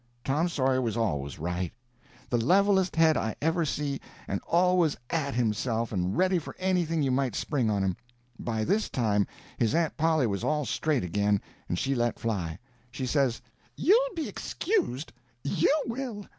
Tom Sawyer was always right—the levelest head I ever see, and always at himself and ready for anything you might spring on him. By this time his aunt Polly was all straight again, and she let fly. She says: [Illustration: I reckon I got to be excused] "You'll be excused! you will!